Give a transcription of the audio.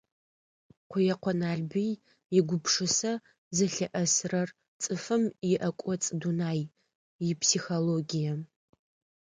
Къуекъо Налбый игупшысэ зылъыӏэсрэр цӏыфым иӏэкӏоцӏ дунай, ипсихологие.